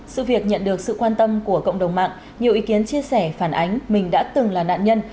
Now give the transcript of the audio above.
sự việc nhận được sự quan tâm của cộng đồng mạng nhiều ý kiến chia sẻ phản ánh mình đã từng là nạn nhân